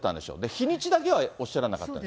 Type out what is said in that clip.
日にちだけはおっしゃらなかったと。